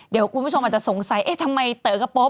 เดี๋ยวคุณผู้ชมอาจจะสงสัยเอ๊ะทำไมเต๋อกระโป๊